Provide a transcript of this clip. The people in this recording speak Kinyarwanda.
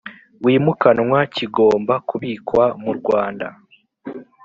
wimukanwa kigomba kubikwa mu Rwanda